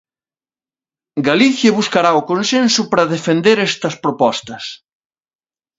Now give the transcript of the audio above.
Galicia buscará o consenso para defender estas propostas.